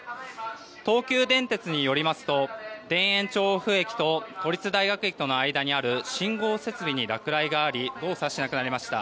東急電鉄によりますと田園調布駅と都立大学駅の間にある信号設備に落雷があり動作しなくなりました。